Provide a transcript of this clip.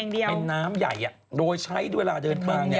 เป็นน้ำใหญ่โดยใช้เวลาเดินทาง